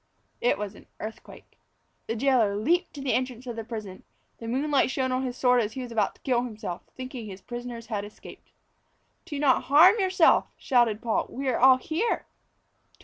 It was an earthquake. The jailor leapt to the entrance of the prison. The moonlight shone on his sword as he was about to kill himself, thinking his prisoners had escaped. "Do not harm yourself," shouted Paul. "We are all here."